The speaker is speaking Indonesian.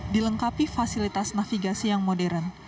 dilengkapi fasilitas navigasi yang modern